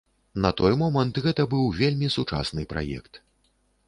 На той момант гэта быў вельмі сучасны праект.